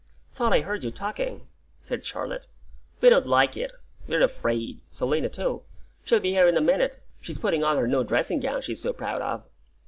"Thought I heard you talking," said Charlotte. "We don't like it; we're afraid Selina too. She'll be here in a minute. She's putting on her new dressing gown she's so proud of."